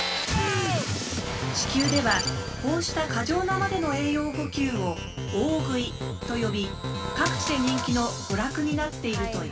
地球ではこうした過剰なまでの栄養補給をと呼び各地で人気の娯楽になっているという。